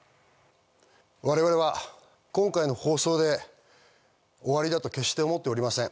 我々は今回の放送で終わりだと決して思っておりません。